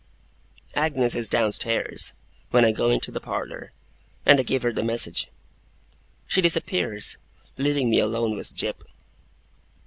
Agnes is downstairs, when I go into the parlour; and I give her the message. She disappears, leaving me alone with Jip.